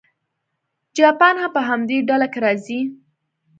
جاپان هم په همدې ډله کې راځي.